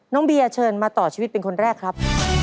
เบียร์เชิญมาต่อชีวิตเป็นคนแรกครับ